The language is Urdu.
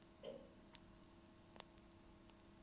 ڈوپ ٹیسٹ مثبت انے پر احمد شہزاد کومعطل کردیاگیا